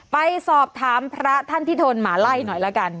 ไปสอบถามพระท่านที่โดนหมาไล่หน่อยละกัน